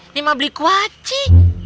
ini mah beli kuaci